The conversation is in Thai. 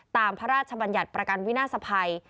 พระราชบัญญัติประกันวินาศภัย